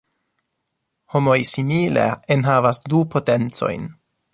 Homoj simile enhavas du potencojn.